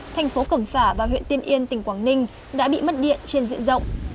thành phố cẩm phả và huyện tiên yên tỉnh quảng ninh đã bị mất điện trên diện rộng